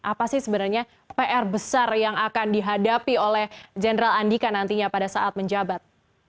apa sih sebenarnya pr besar yang akan dihadapi oleh jenderal andika nantinya pada saat menjabat